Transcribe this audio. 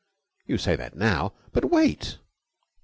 "You say that now, but wait!"